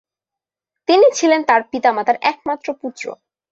তিনি ছিলেন তার পিতামাতার একমাত্র পুত্র।